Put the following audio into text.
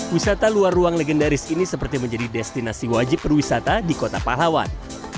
wisata luar ruang legendaris ini seperti menjadi destinasi wajib perwisata di kota pahlawan